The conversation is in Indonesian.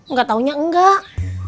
nggak taunya enggak